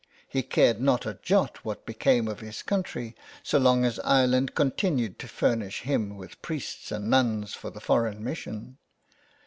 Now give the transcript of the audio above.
He cared not a jot what became of his country, so long as Ireland continued to furnish him with priests and nuns for the foreign mission.